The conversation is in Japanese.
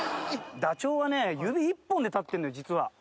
ダチョウはね、指１本で立ってるんだよ、実は。